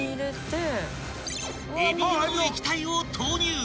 ［えび色の液体を投入］